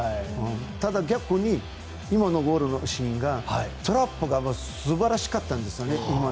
ただ、逆に今のゴールのシーントラップが素晴らしかったんですよね。